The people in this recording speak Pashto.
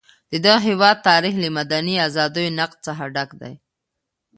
د دغه هېواد تاریخ له مدني ازادیو نقض څخه ډک دی.